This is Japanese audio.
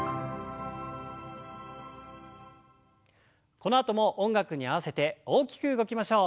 このあとも音楽に合わせて大きく動きましょう。